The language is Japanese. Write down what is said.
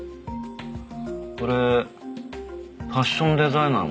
これファッションデザイナーも使うかね？